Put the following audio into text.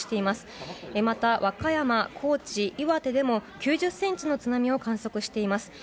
また、和歌山、高知、岩手でも９０ｃｍの津波を観測しています。